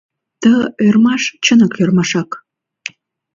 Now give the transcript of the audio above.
Ты ӧрмаш — чынак ӧрмашак!